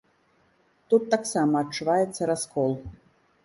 Тут таксама адчуваецца раскол.